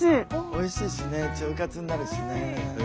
おいしいしね腸活になるしね。